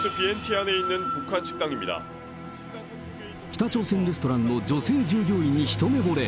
北朝鮮レストランの女性従業員に一目ぼれ。